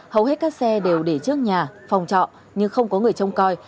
hầu hết các xe đều để trước nhà phòng trọ nhưng không có người trông coi